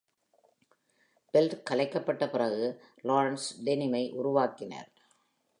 Felt கலைக்கப்பட்ட பிறகு, Lawrence டெனிமை உருவாக்கினார்.